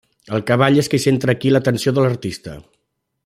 El cavall és qui centra aquí l'atenció de l'artista.